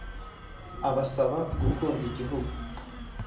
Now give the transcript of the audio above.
abasaba gukunda igihugu